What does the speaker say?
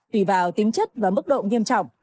tùy vào tính chất và mức độ nghiêm trọng